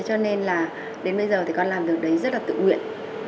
cho nên đến bây giờ con làm việc đấy rất tự nguyện